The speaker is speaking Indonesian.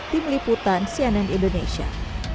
tim liputan cnn indonesia